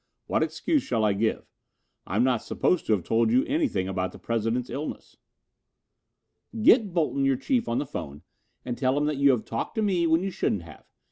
What excuse shall I give? I am not supposed to have told you anything about the President's illness." "Get Bolton, your chief, on the phone and tell him that you have talked to me when you shouldn't have.